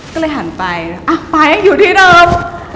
ก็เลยหันไปอ้าวป๊ายังอยู่ที่เดิม